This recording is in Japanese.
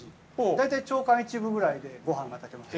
大体、朝刊１部ぐらいでごはんが炊けます。